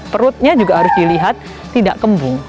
perutnya juga harus dilihat tidak kembung